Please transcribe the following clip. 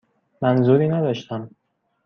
منظوری نداشتم.